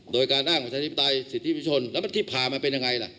โดยการอ้างประชาธิปไตยสิทธิประชนแล้วที่ผ่ามาเป็นยังไงล่ะ